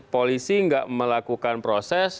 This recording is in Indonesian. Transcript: polisi gak melakukan proses